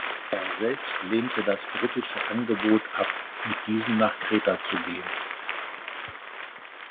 Er selbst lehnte das britische Angebot ab, mit diesen nach Kreta zu gehen.